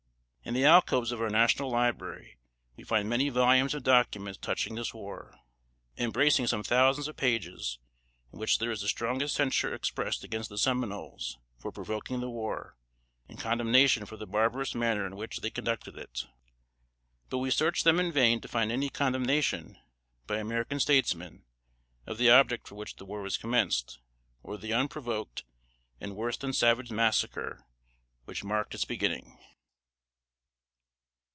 In the alcoves of our National Library, we find many volumes of documents touching this war, embracing some thousands of pages, in which there is the strongest censure expressed against the Seminoles for provoking the war, and condemnation for the barbarous manner in which they conducted it; but we search them in vain to find any condemnation, by American statesmen, of the object for which the war was commenced, or the unprovoked and worse than savage massacre which marked its beginning.